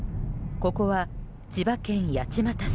ここは千葉県八街市。